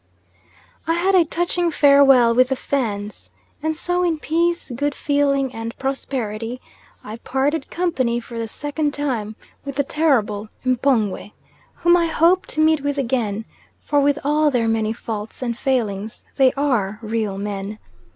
I had a touching farewell with the Fans: and so in peace, good feeling, and prosperity I parted company for the second time with "the terrible M'pongwe," whom I hope to meet with again, for with all their many faults and failings, they are real men.